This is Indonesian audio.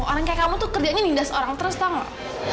orang kayak kamu tuh kerjanya nindas orang terus tahu